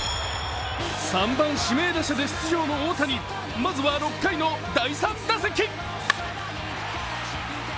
３番・指名打者で出場の大谷まずは６回の第３打席。